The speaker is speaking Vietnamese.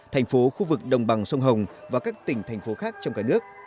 thành phố khu vực đồng bằng sông hồng và các tỉnh thành phố khác trong cả nước